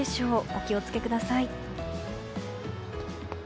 お気をつけください。